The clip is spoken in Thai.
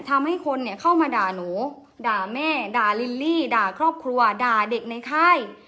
ทำให้คนเข้ามาด่าหนูด่าแม่ด่าลิลลี่ด่าครอบครัวด่าเด็กในค่าย